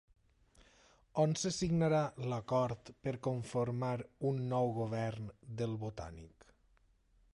On se signarà l'acord per conformar un nou govern del Botànic?